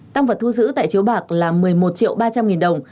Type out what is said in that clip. tam vật thu giữ tại chiếu bạc là một mươi một triệu ba trăm linh đồng